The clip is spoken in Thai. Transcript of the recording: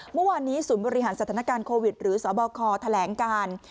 เมื่อวานนี้ศูนย์บริหารสถานการณ์โควิดหรือสบคแถลงการ